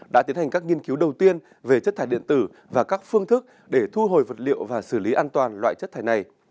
đã tiến hành các nghiên cứu đầu tiên về chất thải điện tử và các phương thức để thu hồi vật liệu và xử lý an toàn loại chất thải này